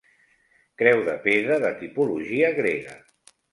Creu de pedra de tipologia grega.